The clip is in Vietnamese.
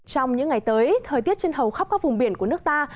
trong những ngày tới thời tiết trên hầu khắp các vùng biển của nước ta